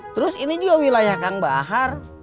terus ini juga wilayah kang bahar